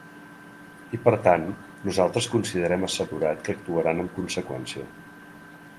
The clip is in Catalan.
I per tant, nosaltres considerem assegurat que actuaran amb conseqüència.